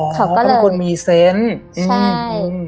อ๋อเขาเป็นคนมีเซนต์ใช่